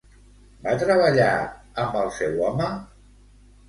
Va treballar amb el seu home?